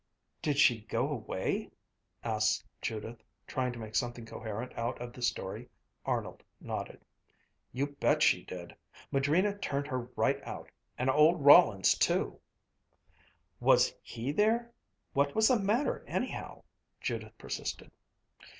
"Did she go away?" asked Judith, trying to make something coherent out of the story. Arnold nodded. "You bet she did. Madrina turned her right out and old Rollins too." "Was he there? What was the matter anyhow?" Judith persisted.